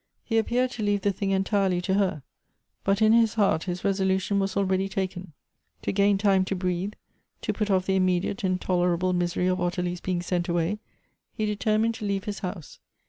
He appeared to leave the thing entirely to her ; but in his heart his resolution was already taken. To gain time to breathe, to put off the immediate intolerable misery of Ottilie's being sent away, he determined to leave his house.